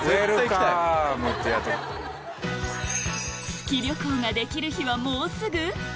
月旅行ができる日はもうすぐ⁉